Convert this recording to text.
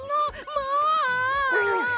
もう！